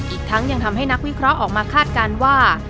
อีกทั้งยังทำให้นักวิเคราะห์ออกมาคาดการณ์ว่า